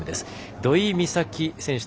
土居美咲選手対